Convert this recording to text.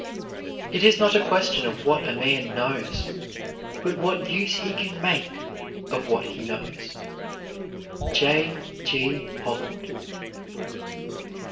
It is not a question of what a man knows but what use he can make of what he knows. J. G. HOLLAND.